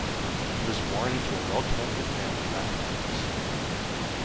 He was born into a well-connected family of academics.